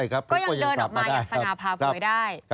ก็ยังเดินออกมาอย่างสง่าพาเผยได้